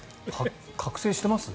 覚醒してます？